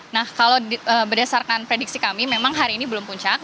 nah kalau berdasarkan prediksi kami memang hari ini belum puncak